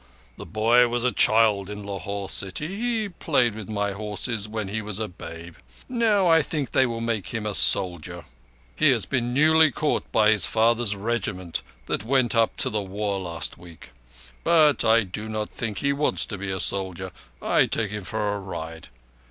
The boy was a child in Lahore city. He played with my horses when he was a babe. Now I think they will make him a soldier. He has been newly caught by his father's Regiment that went up to the war last week. But I do not think he wants to be a soldier. I take him for a ride.